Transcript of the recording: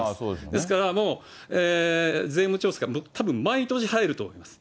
ですから、税務調査がたぶん毎年入ると思います。